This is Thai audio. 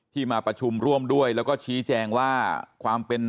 ที่มาประชุมร่วมด้วยแล้วก็ชี้แจงว่า